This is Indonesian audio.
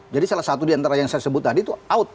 jadi salah satu di antara yang saya sebut tadi itu out